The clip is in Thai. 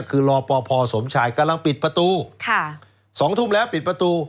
คือรอปภสมชายกำลังปิดประตู๒ทุ่มแล้วปิดประตู